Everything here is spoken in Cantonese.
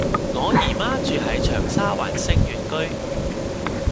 我姨媽住喺長沙灣昇悅居